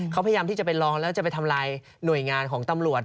เขาพยายามที่จะไปลองแล้วจะไปทำลายหน่วยงานของตำรวจ